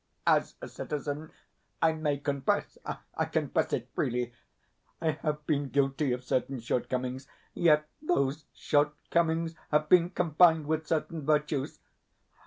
As a citizen, I may confess I confess it freely I have been guilty of certain shortcomings; yet those shortcomings have been combined with certain virtues.